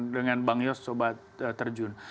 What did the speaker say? dengan bang yos coba terjun